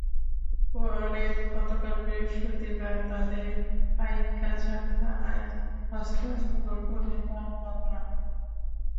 পরে গতকাল বৃহস্পতিবার তাঁদের পাইকগাছা থানায় হস্তান্তর করে মামলা করা হয়।